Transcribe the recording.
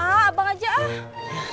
ah abang aja ah